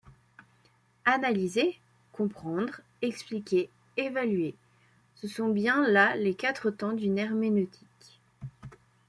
Analyser, comprendre, expliquer, évaluer, ce sont bien là les quatre temps d’une herméneutique.